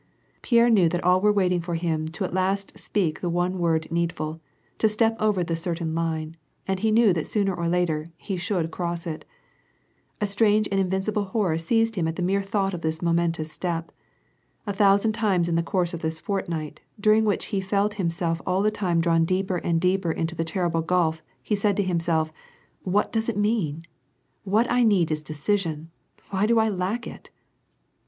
Pierre knew that all were waiting for him to at last speak the one word needful, to step over the certain line, and he knew that sooner or later, he should cross it ; a strange and invincible horror seized him at the mere thought of this momentous step, A thousand times in the course of this fortnight, during which he felt himself all the time drawn deeper and deeper into the terrible gulf, he said to himself :" What does it mean ? What I need is decision ! Why do I lack it